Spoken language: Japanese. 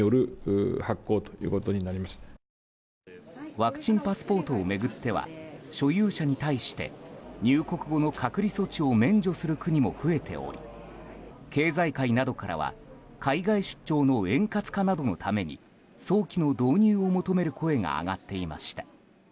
ワクチンパスポートを巡っては所有者に対して入国後の隔離措置を免除する国も増えており経済界などからは海外出張の円滑化などのために早期の導入を求める声が上がっていました。